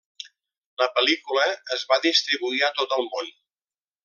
La pel·lícula es va distribuir a tot el món.